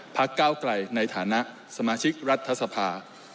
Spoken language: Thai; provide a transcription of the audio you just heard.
ก้าวไกลในฐานะสมาชิกรัฐสภา